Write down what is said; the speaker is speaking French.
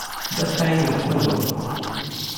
Bataille de la Favorite.